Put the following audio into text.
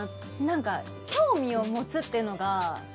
なんか興味を持つっていうのが。